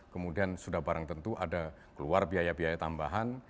kemudian sudah barang tentu ada keluar biaya biaya tambahan